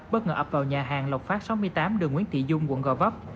bất ngờ ập vào nhà hàng lộc phát sáu mươi tám đường nguyễn thị dung quận gò vấp